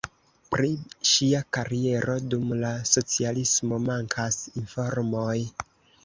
Pri ŝia kariero dum la socialismo mankas informoj.